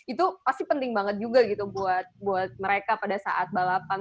itu pasti penting banget juga gitu buat mereka pada saat balapan